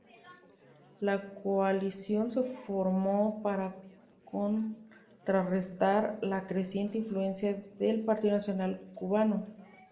La coalición se formó para contrarrestar la creciente influencia del Partido Nacional Cubano.